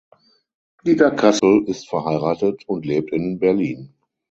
Dieter Kassel ist verheiratet und lebt in Berlin.